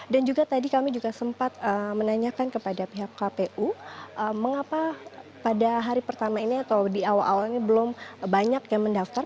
dan juga tadi kami juga sempat menanyakan kepada pihak kpu mengapa pada hari pertama ini atau di awal awalnya belum banyak yang mendaftar